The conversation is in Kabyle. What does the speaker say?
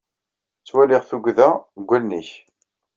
Ttwaliɣ tuggda deg wallen-ik.